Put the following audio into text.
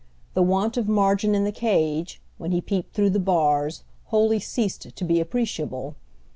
The want of margin in the cage, when he peeped through the bars, wholly ceased to be appreciable.